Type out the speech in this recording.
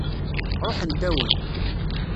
Ṛuḥent-awen.